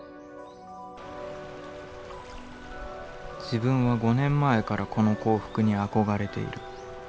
「自分は五年前からこの幸福に憧れている。